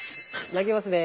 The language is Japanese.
投げますね。